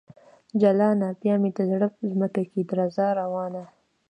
جلانه ! بیا مې د زړه ځمکه کې درزا روانه